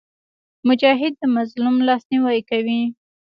مجاهد د مظلوم لاسنیوی کوي.